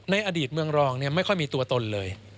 ในอดีตเมืองรองไม่ค่อยมีตัวตนเลย